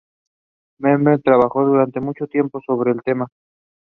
He was also active in the management of his estate.